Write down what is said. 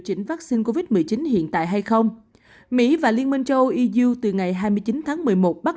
chỉnh vắc xin covid một mươi chín hiện tại hay không mỹ và liên minh châu âu từ ngày hai mươi chín tháng một mươi một bắt